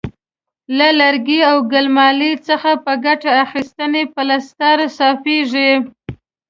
له لرګي او ګل مالې څخه په ګټه اخیستنې پلستر صافیږي.